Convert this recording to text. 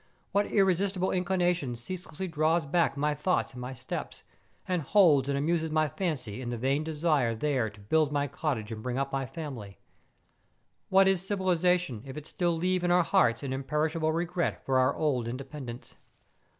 What irresistible inclination cease¬ lessly draws back my thoughts and my steps, and holds and amuses my fancy in the vain desire there to build my cottage and bring up my family ? Wliat is civilization if it still leave in our hearts an imperishable regret for our old independence